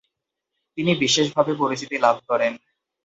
তিনি বিশেষভাবে পরিচিতি লাভ করেন।